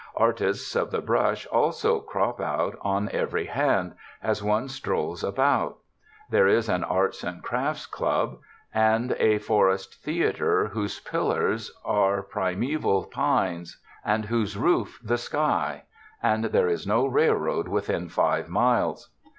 Artists of the brush also crop out on every hand, as one strolls about; there is an Arts and Crafts Club and a Forest Theater whose pillars are 234 TOURIST TOWNS primeval pines and whose roof the sky; and there is no railroad within five miles.